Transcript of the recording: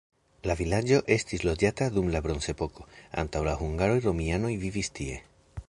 La vilaĝo estis loĝata dum la bronzepoko, antaŭ la hungaroj romianoj vivis tie.